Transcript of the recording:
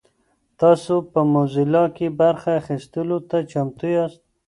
تاسو په موزیلا کې برخه اخیستلو ته چمتو یاست؟